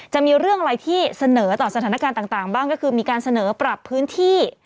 จะมีเรื่องอะไรที่เสนอต่อสถานการณ์ต่างบ้างก็คือมีการเสนอปรับพื้นที่